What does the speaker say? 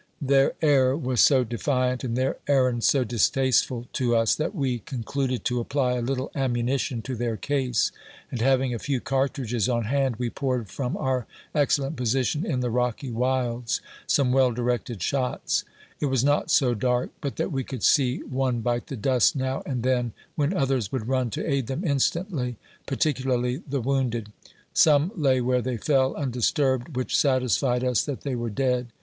Their air was THE ENCOUNTER AT THE RIFLE FACTORY. 49 so defiant, and their errand so distasteful to us, that we con cluded to apply a little ammunition to their case, and having a few cartridges on hand, we poured from our excellent posi tion in the rocky wilds, some well directed shots. It was not so dark but that we could see one bite the dust now and then, when others would run to aid them instantly, particular ly the wounded. Some lay where they fell, undisturbed, which satisfied us that they were dead.